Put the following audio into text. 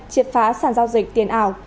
triệt phá sản giao dịch tiền ảo